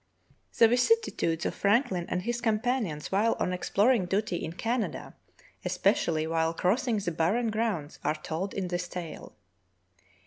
The vicissitudes of Franklin and his companions while on exploring duty in Canada, especially while crossing the barren grounds, are told in this tale.